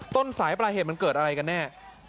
ต้นสายปลายเหตุมันเกิดอะไรกันแน่